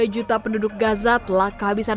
tiga juta penduduk gaza telah kehabisan